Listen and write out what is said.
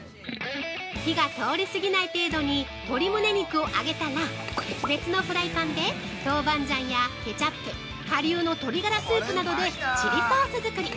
◆火が通りすぎない程度に鶏むね肉を揚げたら別のフライパンで豆板醤やケチャップ顆粒の鶏がらスープなどでチリソース作り！